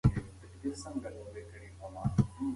ماشوم په سوې ساه د انارګل د خوښۍ شریک شو.